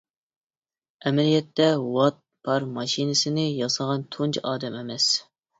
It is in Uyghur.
ئەمەلىيەتتە، ۋات پار ماشىنىسىنى ياسىغان تۇنجى ئادەم ئەمەس.